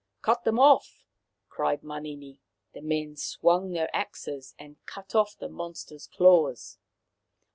" Cut them off," cried Manini. The men swung their axes and cut off the monster's claws.